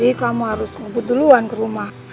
jadi kamu harus ngebut duluan ke rumah